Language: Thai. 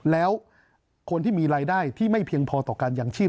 แล้วคนที่มีรายได้ที่ไม่เพียงพอต่อการยางชีพ